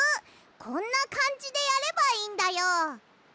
こんなかんじでやればいいんだよ。